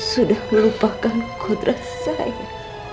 sudah melupakan kodra saya